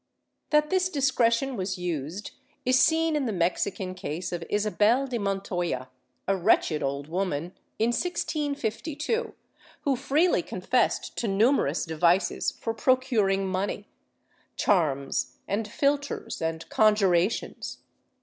^ That this discretion was used is seen in the Mexican case of Isabel de Montoya, a wretched old woman, in 1652, who freely confessed to numerous devices for procuring money — charms and philtres and conjurations.